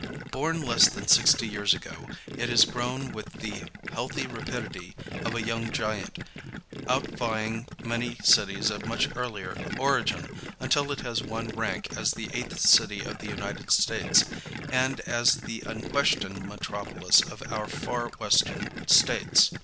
Born less than sixty years ago, it has grown with the healthy rapidity of a young giant, outvieing many cities of much earlier origin, until it has won rank as the eighth city of the United States, and as the unquestioned metropolis of our far Western States.